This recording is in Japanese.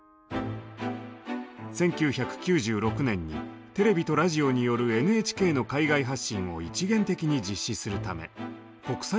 １９９６年にテレビとラジオによるＮＨＫの海外発信を一元的に実施するため国際放送局が発足。